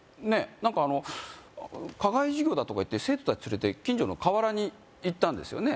何かあの課外授業だとか言って生徒達連れて近所の河原に行ったんですよね？